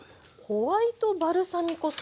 ホワイトバルサミコ酢。